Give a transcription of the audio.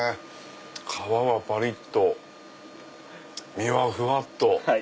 皮はパリっと身はふわっと。